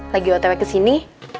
lagi ago tewek kesini